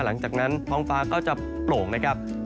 หลังจากนั้นท้องฟ้าก็จะโปร่งนะครับ